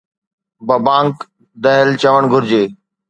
ببانگ دھل چوڻ گھرجي.